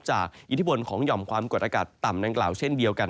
อิทธิพลของหย่อมความกดอากาศต่ำดังกล่าวเช่นเดียวกัน